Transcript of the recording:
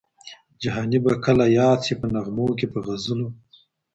جهاني به کله یاد سي په نغمو کي په غزلو